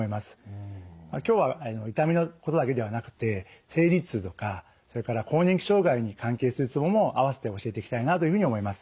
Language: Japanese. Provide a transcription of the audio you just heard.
今日は痛みのことだけではなくて生理痛とかそれから更年期障害に関係するツボもあわせて教えていきたいなというふうに思います。